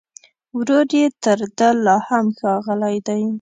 ورور يې تر ده لا هم ښاغلی دی